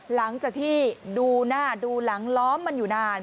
หลังจากที่ดูหน้าดูหลังล้อมมันอยู่นาน